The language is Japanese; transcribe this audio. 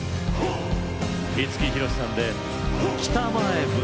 五木ひろしさんで「北前船」。